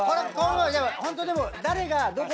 ホントでも。